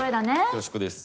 恐縮です。